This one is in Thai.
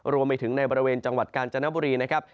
รวมไปถึงในบริเวณจังหวัดกาญจนบุรีนะครับ